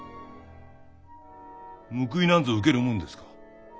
報いなんぞ受けるもんですか。